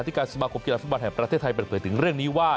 การสมาคมกีฬาฟุตบอลแห่งประเทศไทยเปิดเผยถึงเรื่องนี้ว่า